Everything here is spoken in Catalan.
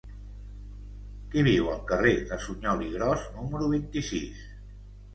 Qui viu al carrer de Suñol i Gros número vint-i-sis?